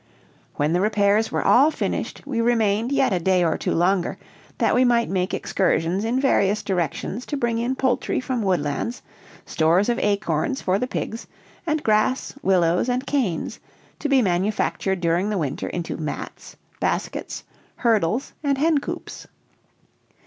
When the repairs were all finished, we remained yet a day or two longer, that we might make excursions in various directions to bring in poultry from Woodlands, stores of acorns for the pigs, and grass, willows, and canes, to be manufactured during the winter into mats, baskets, hurdles, and hencoops.